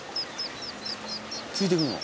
ついてくの？